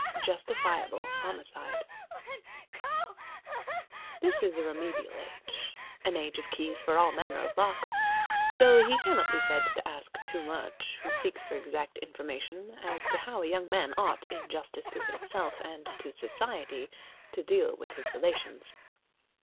Justifiable Homicide This is a remedial age, an age of keys for all manner of locks; so he cannot be said to ask too much who seeks for exact information as to how a young man ought, in justice to himself and to society, to deal with his relations.